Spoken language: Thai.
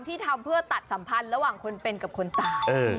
ทำเพื่อตัดสัมพันธ์ระหว่างคนเป็นกับคนตาย